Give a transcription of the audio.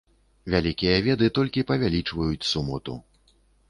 Вялікія веды толькі павялічваюць сумоту.